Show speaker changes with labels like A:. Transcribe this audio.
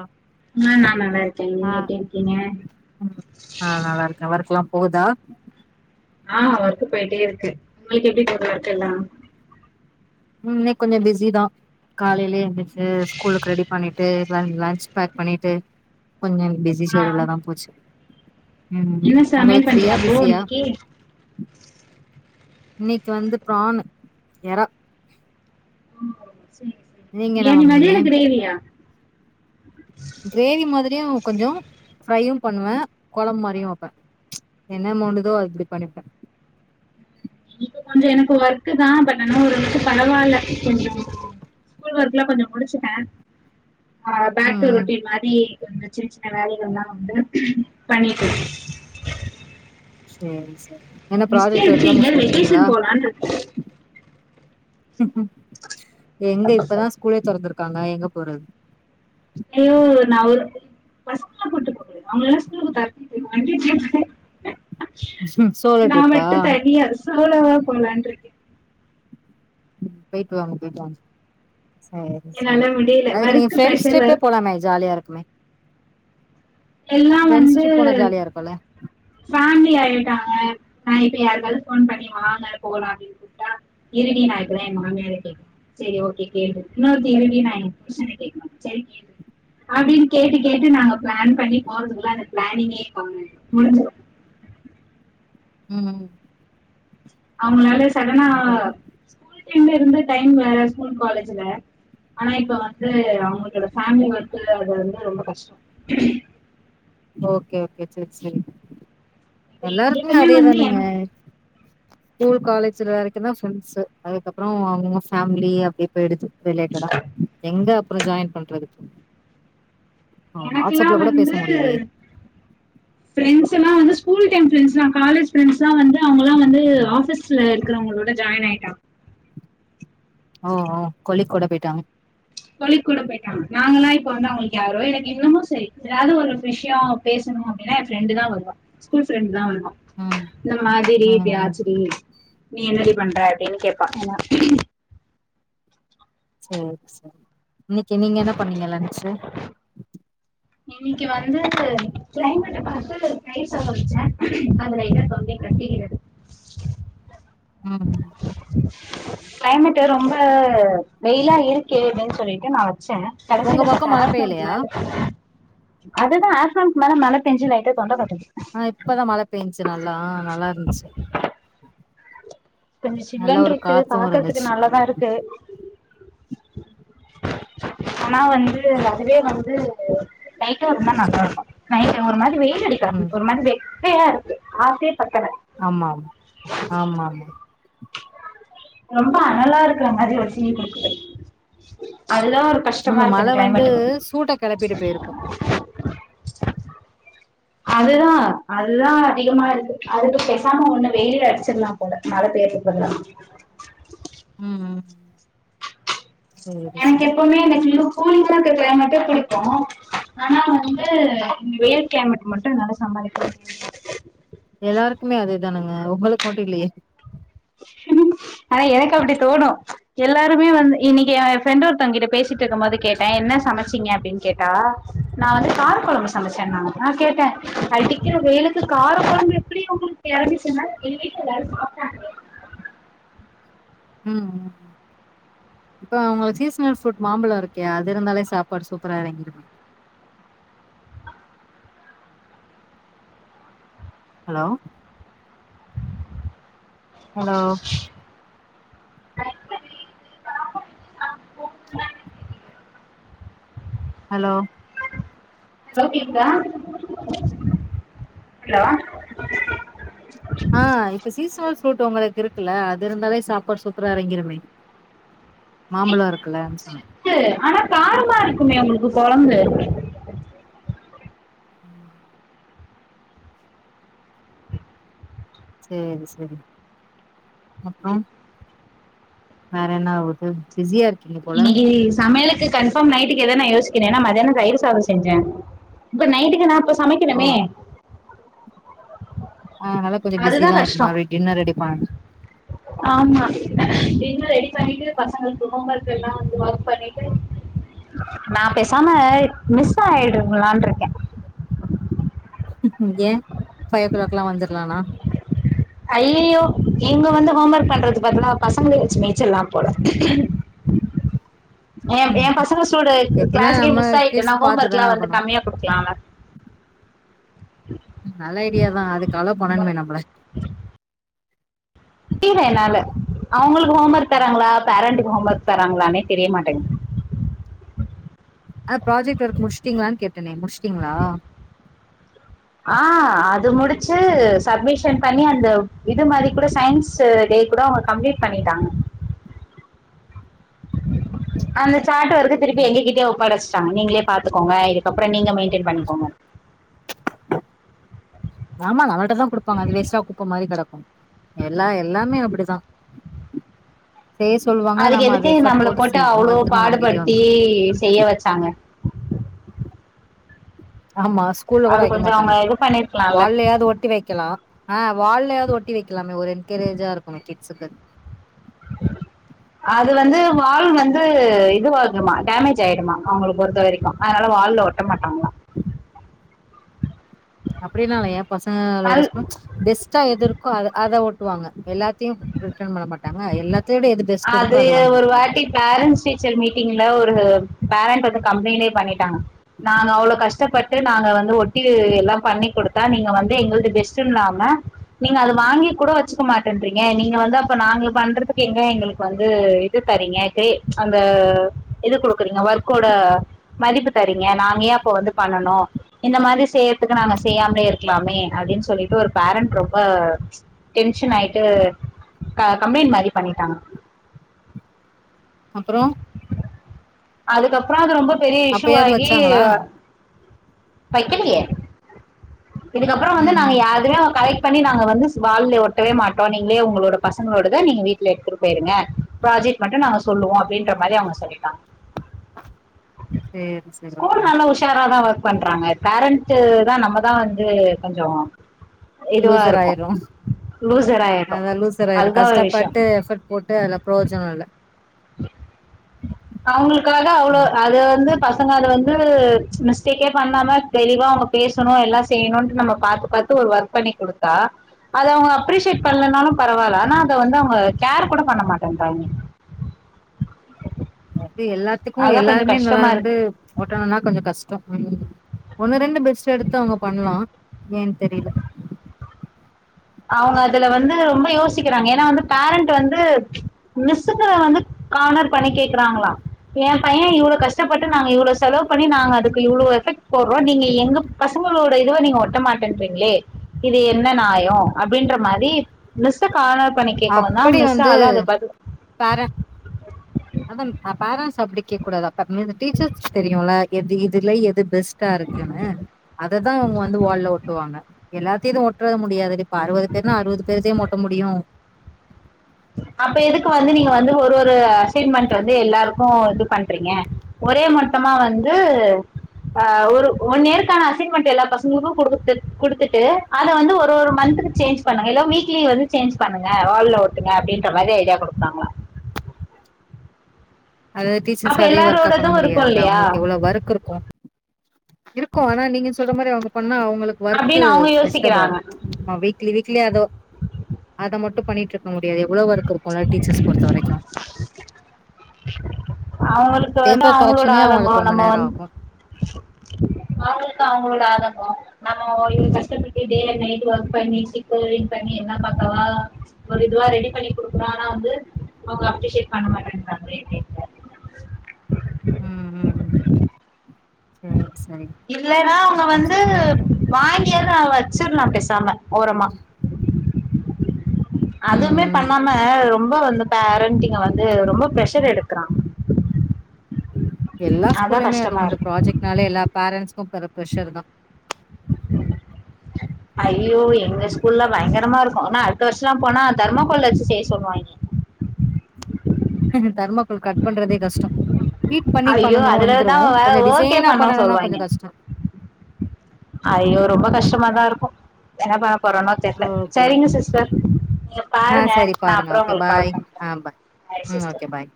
A: ஆ
B: ஆ நல்லா இருக்கே
A: ஆ
B: நீங்க எப்டி இருக்கீங்க
A: ம் ஆ நல்லா இருக்கே வொர்க்குலா போகுதா
B: ஆ ஒர்க்கு போயிட்டே இருக்கு உங்ளுக்கு எப்டி போது ஒர்க் எல்லா
A: ம் இன்னைக் கொஞ்சோ பிஸி தா காலைலே எந்திரிச்சி ஸ்கூலுக்கு ரெடி பண்ணிட்டு லன் லஞ்ச் பேக் பண்ணிட்டு கொஞ்சோ பிஸி
B: ஆ
A: செடியூலாதா போச்சு ம்
B: என்ன சமையல்
A: உங்களுக்கு ஃப்ரீயா
B: பண்ணீங்க அப்போ
A: பிஸியா
B: இன்னைக்கி
A: நேத்து வந்து ப்றான்னு எறா நீங்க என்ன
B: பிரியாணி மாதியா
A: வாங்குனீங்க
B: இல்ல கிரேவியா
A: கிரேவி மாதிரியு கொஞ்சோ ஃப்ரையும் பண்ணுவே கொழம்பு மாரியு வப்பே என்ன மோணுதோ இப்டி பண்ணிப்ட்டே
B: இப்ப கொஞ்சோ எனக்கு ஒர்க்கு தா பட் ஆனா ஓரளவுக்கு பரவால்ல கொஞ்சோ ஸ்கூல் ஒர்க்ல்லா கொஞ்ச முடிச்சுட்டே ஆ பேக்
A: ம்
B: டு
A: ம்
B: ரொட்டின் மாரியே சின்ன சின்ன வேலைகள்ல்லா வந்து பண்ணிட்டு இரு
A: சரி சரி என்ன
B: ரெஸ்ட்
A: ப்ராஜெக்ட்
B: எடுத்து
A: ஒர்க்ல்லா முடிச்சு
B: எங்கயாவது
A: குடுத்துட்டீங்களா
B: வெக்கேஷன் போலான்னு இருக்க
A: எங்க இப்பதா ஸ்கூலே தெறந்திருக்காங்க எங்க போறது
B: நீ நாவ [unintelligible] போட்டு போது அவங்களல்லாம [unintelligible]
A: சோலோ
B: நா
A: ட்ரிப்பா
B: மட்டு தனியா சோலவா போகலான்ட்ருக்கே
A: ம் போயிட்டு வாங்க போயிட்டு வாங்க சரி சரி
B: என்னால முடியல
A: அதுக்கு நீங்க
B: ஒர்க்
A: ப்ரெண்ட்ஸ்
B: ப்ரெஷர்
A: ட்ரிப்பே
B: ஒர்க்
A: போலாமே ஜாலியா இருக்குமே
B: எல்லாம்
A: ஃப்ரெண்ட்ஸ்
B: வந்து
A: ரிப் போனா ஜாலியா இருக்குல
B: ஃபேமிலி ஆயிட்டாங்க நா இப்ப யாருக்காவது போன் பண்ணி வாங்க போலா அப்படின்னு கூப்ட்டா இருடி இப்ப நா ஏ மாமியார கேக்குறே சரி ஓகே கேளு இன்னொரு கேள்வி நா ஏ புருஷன கேக்கணு சரி கேளு அப்படின்னு கேட்டு கேட்டு நாங்க ப்ளான் பண்ணி போறதுகுள்ள அந்த ப்ளானிங்கே போங்க முடிஞ்ச
A: ம்
B: அவங்களால சடனா
A: அதனால
B: ஸ்கூல் டைம்ல இருந்து டைம் வேற ஸ்கூல் காலேஜ்ல ஆனா இப்ப வந்து அவங்கோட ஃபேமிலி வர்கக்கு அது வந்து ரொம்ப கஷ்டோ
A: ஓகே ஓகே சரி சரி
B: இப்ப
A: எல்லாருக்குமே
B: எங்களுக்குமே
A: அதே
B: வந்து
A: தானுங்க
B: எனக்கு
A: ஸ்கூல் காலேஜ்ல வரைக்குந்தா ஃப்ரெண்ட்ஸ்சு அதுக்கப்பறோ அவங்க ஃபேமிலி அப்டியே போயிடுது ரிலேட்டடா எங்க அப்பற ஜாயின் பண்றது
B: எனக்குல்லா
A: கூட பேச
B: வந்து
A: முடியலையே
B: ப்ரெண்ட்ஸ் எல்லா வந்து ஸ்கூல் டைம் ப்ரண்ஸதா காலேஜ் ப்ரண்ஸலா வந்து அவங்களா வந்து ஆபீஸ் ஸ்ல இருக்கிறவங்களோட ஜாயின் ஆயிட்டாங்க
A: ஓ ஓ கொழிக்கு கூட போய்ட்டாங்க
B: தொழி கூட போயிட்டாங்க நாங்கல்லா இப்ப வந்து அவங்களுக்கு யாரோ எனக்கு இன்னமோ சரி ஏதாவது ஒரு விஷய பேசணும்மா அப்படனா என் ப்ரெண்டு தா வருவா ஸ்கூல் ப்ரெண்டுதா வருவா
A: ம்
B: இந்த மாதிரி
A: ம் ம்
B: இப்பியாச்சிரி நீ என்னடி பண்ற அப்படின்னு கேப்பா ஏன்னா
A: சரி சரி இன்னைக்கு நீங்க என்ன பண்ணீங்க லன்ச்சு
B: இன்னைக்கு வந்து க்ளைமேட்டை பாத்து [unintelligible] ஆரம்பச்ச அது ட்ட தொந்தி கட்டிக்கிறது
A: ம்
B: க்ளைமேட்டு ரொம்ப வெயிலா இருக்கே அப்படின்னு சொல்லிட்டு நா வச்சே
A: உங்க
B: கடைசில பட்
A: பக்கம் மழ
B: ஆஃப்டனுன்க்கு
A: பெய்யலையா
B: மேல அதுதா ஆப்டனுன்க்கு மேல மழைப்பெஞ்சி லைட்டா தொண்ட கட்டுது
A: ஆ இப்பதா மழை பெய்ச்சு நல்லா நல்லாருந்துச்சு
B: கொஞ்ச
A: நல்லா ஒரு
B: சில்லுன்ருக்கு
A: காத்து
B: பாக்குறதுக்கு
A: இருந்துச்சு
B: நல்லாதா இருக்கு ஆனா வந்து அதுவே வந்து நைட்டா இருந்தா நல்லாருக்கு நைட்டூ ஒரு மாரி வெய் டிக்கா
A: ம்
B: ஒரு மாரி வெக்கையா இருக்கு ஆஃபப் டே பத்தல
A: ஆமாம் ஆமாம்
B: ரொம்ப அனலா இருக்கிற மாரி ஒரு பீல் குடுக்குது அதுதா இரு கஷ்டமா
A: ஆமா மழ
B: இருக்குங்க
A: வந்து
B: க்ளைமேட் [inaudible]
A: சூட்ட கெளப்பிட்டு போயிருக்கு
B: அதுதா அதுதா அதிகமா இருக்கு அதுக்கு பெசாம ஒண்ணு வெளியில அடிச்சிரலா போல நல்ல பேர்க்கு [unintelligible]
A: ம் சேரி
B: எனக்கு
A: சேரி
B: எப்போமே எனக்மிகு கூலிங்கரா இருக்க கிளைமேட்டே பிடிக்கு ஆனா வந்து இங்க வெயில் கிளேமேட் மட்டு என்னால சமாளிக்க முடில
A: எல்லாருக்குமே அதேதானுங்க உங்களுக் மட்டு இல்லையே
B: ஆனா எனக்கு அப்டி தோணு எல்லாருமே வந்து இன்னைக்கு என் ஃபிரெண்டு ஒருத்தவங்கிட்ட பேசிட்டிருக்குமோது கேட்ட என்ன சமைச்சீங்க அப்டின் கேட்டா நான் வந்து கார கொழம்பு சமச்சேன்னாங்க நா கேட்ட அடிக்கிற வெய்லுக்கு கார கொழம்பு எப்பிடி உங்குளுக் கேட்டதுக் சொன்னா எங்க வீட்ல எல்லாரு சாப்ட்டாங்க
A: ம் ம் ம் இப்போ உங்குளுக் சீசனல் ஃபரூட் மாம்பழோ இருக்கே அது இருந்தாலே சாப்பாடு சூப்பரா எறங்கிருமே ஹலோ ஹலோ
B: அ
A: ஹலோ
B: ஹலோ கேக்குதா ஹலோ
A: ஆ இப்ப சீசனல் ஃப்ரூட் உங்களுக் இருக்குல்ல அது இருந்தாலே சாப்பாடு சூப்பரா எறங்கிருமே மாம்பழோ இருக்குல [unintelligible]
B: க்கு ஆனா காரமா இருக்குமே உங்ளுக்கு கொழம்பு
A: சேரி சேரி அப்றோ வேற என்ன ஆவுது பிஸியா இருக்கீங்க போல
B: இன்னிக்கு சமைலுக்கு கன்ஃபார்ம் நைட்டுக்கு எதா நா யோசிக்கணு ஏனா மதியானோ தயிரு சாதோ செஞ்ச இப்ப நைட்டுக்கு நான் அப்ப
A: ஓ
B: சமைக்கணுமே
A: ஆனாலு கொஞ்சோ பிஸிதா
B: அதுதான்
A: இப்ப
B: கஷ்டம்
A: மறுவ்டி டின்னர் ரெடி பண்ணணு
B: ஆமா டின்னர் ரெடி பண்ணிட்டு பசங்களுக்கு ஹோம் ஒர்கெல்லா வந்து ஒர்க் பண்ணிட்டு நான் பெசாம மிஸ் ஆய்டுங்குலான்ட்ருக்கே
A: ம் ம் ஏன் ஃபையோ கிளாக்லா வந்துர்லானா
B: ஐயயோ இங்க வந்து ஹோம் ஒர்க் பண்றதுக்கு பதிலா பசங்ளே வச்சு மேய்ச்சிர்லா போல ஏன்
A: ம்
B: ஏன் பசங்கஸ்ஸோட
A: எப்டினா
B: கிளாஸ்க்கே
A: நம்ம
B: மிஸ் ஆய்ட்டு
A: கிட்ஸ்
B: நா ஹோம் ஒர்க்லா
A: பாத்துதான
B: வந்து
A: ஆகணு
B: கம்மியா குடுக்லான்ல
A: ம் நல்ல ஐடியாதா அதுக்கு அலோ பண்ணணுமே நம்ள
B: முடில என்னால அவுங்களுக்கு ஹோம் ஒர்க் தராங்ளா பேரண்ட்டுக்கு ஹோம் ஒர்க் தராங்ளானே தெரிய மாட்டேங்
A: அந் ப்ராஜெக்ட் ஒருக் முடிஸ்ட்டீங்ளான் கேட்டனே முடிஸ்டீங்ளா
B: ஆ அது முடிச்சு சப்மிஷன் பண்ணி அந்த இது மாரி ‌கூட சயின்ஸு டே கூடோ அவ்ங்க கம்ப்ளீட் பண்ணிட்டாங்க அந்த சாட் ஒர்க்க திருப்பி
A: ம்
B: எங்க கிட்டயே ஒப்படஸ்ட்டாங்க நீங்ளே பாத்துக்கோங்க இதுக்கப்புறோ நீங்க மெய்ன்டெய்ன் பண்ணிக்கோங்க
A: ஆமா நமள்ட்டதா குடுப்பாங்க அது வேஸ்ட்டா குப்ப மாரி கெடக்கு எல்லா எல்லாமே அப்புடிதா செய்ய சொல்வா
B: அதுக்கு எதுக்கு நம்மள போட்டு அவுளோ
A: நம்மகிட்டயே
B: பாடுபடுத்தி
A: வந்துரு
B: செய்ய வச்சாங்க
A: ஆமா ஸ்கூல்ல கூட
B: அது கொஞ்சம் அவங்க
A: வக்கமாட்டாங்க
B: இது பண்ணிருக்கலாம்ல
A: வால்லயாது ஒட்டி வை க்கலா ஆ வால்லயாது ஒட்டி வைக்கலாமே ஒரு என்க்கரேஜா இருக்கு கிட்ஸுக்கு
B: அது வந்து வால் வந்து இதுவாகிடுமா டேமேஜ் ஆயிடுமா அவங்களுக்கு பொறுத்த வரைக்கு அதனால வால்ல ஒட்ட மாட்டாங்களா
A: அப்டின்னால ஏ பசங்களோட ரெஸ்பான்ஸ் பெஸ்ட்டா எது இருக்கோ அத அத ஒட் டுவாங்க எல்லாத்தையு ரிட்டன் பண்ண மாட்டாங்க எல்லாத்தையு விட எது பெஸ்ட் இருக்கோ
B: அது
A: அத வாங்கி
B: ஒரு
A: ஓட்டுவாங்க
B: வாட்டி பேரண்ஸ் டீச்சர் மீட்டிங்ல ஒரு பேரண்ட் வந்து கம்ப்ளைண்டே பண்ணிட்டாங்க நாங்க அவ்ளோ கஷ்டப்பட்டு நாங்க வந்து ஒட்டி எல்லா பண்ணி கொடுத்தா நீங்க வந்து எங்களது பெஸ்ட் இல்லாம நீங்க அத வாங்கி கூட வச்சுக்க மாட்றீங்க நீங்க வந்து அப்ப நாங்க பண்றதுக்கு எங்க எங்களுக்கு வந்து இது தரீங்க இதே ம்ச் அந்த இது குடுக்குறீங்க ஒர்க்கோட மதிப்பு தரீங்க நாங்க ஏ அப்ப வந்து பண்ணனு இந்த மாரி செய்யறதுக்கு நாங்க செய்யாமலே இருக்கலாமே அப்டின்னு சொல்லிட்டு ஒரு பேரண்ட் ரொம்ப டென்ஷன் ஆயிட்டு க கம்ப்ளைண்ட் மாரி பண்ணிட்டாங்க
A: அப்புறோ
B: அதுக்கப்புறோ அது ரொம்ப பெரிய
A: அப்பயாவது
B: இஷ்யூவாகி
A: வச்சாங்களா
B: வைக்கலேயே இதுக்கப்புறோ வந்து
A: ம்
B: நாங்க
A: ம் ம்
B: யாருமே கலைக் டு பண்ணி நாங்க வந்து வால் ஓட்டவே மாட்டோ நீங்களே உங்களோட பசங்களோடத நீங்க வீட்டுல எடுத்துட்டு போயிருங்க பிராஜக்ட் மட்டு நாங்க ஸ்கூல்ல சொல்லுவோ அப்டின்ற மாரி அவங்க சொல்லிட்டாங்க
A: சேரி சேரி ஓகே
B: ஸ்கூல் நல்ல விஷய ட்டத்தாரா ஒர்க் பண்றாங்க பேரண்ட் தா நம்ம தா வந்து கொஞ்சோ
A: லூசர் ஆயிருவோ
B: லூசர் ஆயிடும்
A: அத லூசர் ஆயிரு
B: அதுதான் ஒரு விஷயம்
A: கஷ்டப்பட்டு எஃபர்ட் போட்டு அதுல பிரோஜன இல்ல
B: அவங்களுக்காக அவ்ளோ
A: ம்
B: அது வந்து பசங்க அது வந்து ம்ச் மிஸ்டேக்கே பண்ணாம தெளிவா அவங்க பேசணு எல்லா செய்யணு நம்ம பாத்து பாத் து ஒரு ஒர்க் பண்ணி கொடுத்தா அத அவங்க அப்ரிசியேட் பண்ணலனாலு பரவாயில்ல ஆனா அத வந்து அவங்க கேர் கூட பண்ண மாட்டேங்கன்றாங்க
A: அது எல்லாத்துக்கு
B: அதான் கொஞ்சம்
A: எல்லாருமே நல்லா
B: கஷ்டமா இருக்கு
A: இருந்து ஓட்டணும்னா கொஞ்சோ கஷ்ட ம் ஒண்ணு ரெண் டு பெஸ்ட் எடுத்து அவங்க பண்ணலா ஏன்னு தெரியல
B: அவங்க அதுல வந்து ரொம்ப யோசிக்கிறாங்க ஏன்னா வந்து பேரண்ட் வந்து ம்ச் மிஸ்ங்க வந்து கானர் பண்ணி கேக்குறாங்களா ஏ பைய இவ்வளோ கஷ்டப்பட்டு நாங்க இவ்வளோ செலவு பண்ணி நாங்க அதுக்கு இவ்ளோ எஃபெக்ட் போடுறோ நீங்க எங்க பசகளோட இதுவ நீங்க ஒட்ட மாட்டேறிங்களே இது என்ன நியாயோ அப்டின்ற மாரி மிஸ்ச காணர் பண்ணி கேக்கவு தா மிஸ்சா அதா அது பதில்
A: பேரண் அதா பேரண்ட்ஸ் அப்டி கேட்க கூடாதுல அப்ற நீ இந்த டீச்சர்ஸ் தெரியுல எது இதுல எது பெஸ்ட் டா இருக்குன்னு அததா அவங்க வந்து வால்ல ஒட்டுவாங்க எல்லாத்தயு ஒட்டுற முடியாது டி இப்ப அறுபது பேர்ன்னா அறுபது பேர்தயுமா ஒட்ட முடியு
B: அப்ப எதுக்கு வந்து நீங்க வந்து ஒரு ஒரு அசைன்மெண்ட் வந்து எல்லாருக்கு இது பண்றீங்க ஒரே மட்டமா வந்து ஆ ஒரு ஒன்யேருக்கான அசைன்மென்ட் எல்லா பசங்களுக்கு கொடுத்து கொடுத்துட்டு அத வந்து ஒரு ஒரு மந்துக்கு சேஞ்ச் பண்ணுங்க இல்ல வீட்ல வந்து சேஞ் பண்ணங்க வால்ல ஓட்டுங்க அப்டின்ற மாதிரி ஐடியா குடுத்தாங்களா
A: அத
B: அப்ப
A: டீச்சர்ஸ் அதே ஒர்க்கா பண்ண
B: எல்லாரோடதும் இருக்கும்
A: முடியாதுல்ல
B: இல்லையா
A: அவங்களுக்கு எவ்ளோ ஒர்க் இருக்கு இருக்கு ஆனா நீங்க சொல்ற மாரி அவங்க பண்ணா அவங்களுக்கு ஒர்க்கு
B: அப்படின்னு அவங்க
A: டிஸ்டர்ப் ஆகு
B: யோசிக்கிறாங்க
A: ம் மா வீக்லி வீக்லி அது அத மட்டு பண்ணிட்டு இருக்க முடியாது எவ்ளோ ஒர்க் இருக்கு டீச்சர்ஸ பொறுத்த வரைக்கு
B: அவங்களுக்கு வந்து
A: பேப்பர்
B: அவங்களோட
A: கரெக்ஷனே
B: ஆதங்கோ
A: அவங்களுக்கு ரொம்ப
B: நம்ம
A: நேரோ
B: வந்
A: ஆகு
B: அவங்களுக்கு அவங்களோட ஆதங்கோ நம்ம இவ்ள கஷ்டப்பட்டு டே ஆர் நைட் ஒர்க் பண்ணி [unintelligible] என்ன பண்றோ ஒரு இதுவா ரெடி பண்ணி குடுக்குறான வந்து அவங்க அப்ரிஷியேட் பண்ண மாட்டேங்கன்றாங்களே என்ன [inaudible]
A: ம் ம் சரி சரி
B: இல்லன்னா அவுங்க
A: அப்புறோ
B: வந்து
A: சிஸ்டர்
B: வாங்கி எல்லா வச்சர்னு பேசாம ஓரமா
A: ம்
B: அதுவுமே
A: ம்
B: பண்ணாம ரொம்ப வந்து பேரண்டிங்க வந்து ரொம்ப ப்ரஷர் எடுக்றா
A: எல்லா ஸ்கூல்லயுமே அது உண்டு
B: இருக்கு
A: ப்ராஜெக்ட்னாலே எல்லா பேரண்ட்ஸ்க்கு பல ப்ரெஷர் தா
B: ஐயோ எங்க
A: ம்.
B: ஸ்கூல்ல பயங்கரமா இருக்கு ஆனா அடுத்த வருஷல்லா போனா தர்மாக்கோள்ள வச்சு செய்ய சொல்லுவாங்கே
A: அந்த தர்மாக்கோள் கட் பண்றதே கஷ்டோ பீட் பண்ணி
B: ஐயோ
A: பண்ணனு வந்துரு
B: அதுலதா வே
A: கொஞ்சோ
B: ஓகே
A: டிசைனா
B: பண்ண
A: பண்ணனுனா கொஞ்சோ
B: சொல்லுவாய்ங்க
A: கஷ்டோ
B: ஐயோ ரொம்ப கஷ்டமாதா இருக்கு என்னபண் ண போறோனோ தெர்ல
A: ஓகே
B: சரிங்க
A: ஓகே
B: சிஸ்டர் நீங்க
A: ஆ
B: பாருங்க
A: சரி
B: நா
A: பாருங்க
B: அப்றோ
A: ஓகே
B: உங்களுக்கு கால்
A: பாய் ஆ பாய்
B: பண்ற
A: ம் ஓகே பாய்